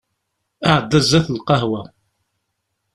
Iɛedda zdat n lqahwa.